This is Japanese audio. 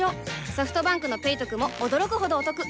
ソフトバンクの「ペイトク」も驚くほどおトク